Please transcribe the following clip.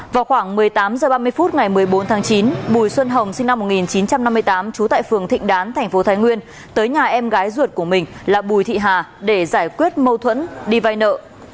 vào khoảng một mươi tám h ba mươi phút ngày một mươi bốn tháng chín bùi xuân hồng sinh năm một nghìn chín trăm năm mươi tám trú tại phường thịnh đán tp thái nguyên tới nhà em gái ruột của mình là bùi thị hà để giải quyết mâu thuẫn đi vay nợ